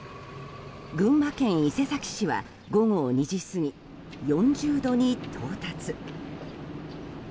群馬県伊勢崎市は午後２時過ぎ、４０度に到達。